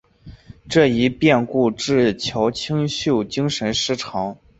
这一变故导致乔清秀精神失常。